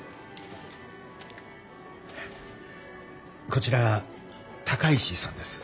こちら高石さんです。